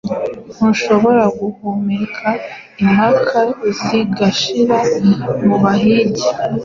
ntushobore guhumeka !Impaka zigashira mu bahigi,